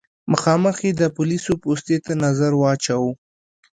مخامخ يې د پوليسو پوستې ته نظر واچوه.